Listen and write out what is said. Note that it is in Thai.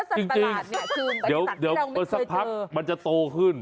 จริงเดี๋ยวพอสักพักมันจะโตขึ้น